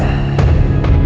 aku akan menang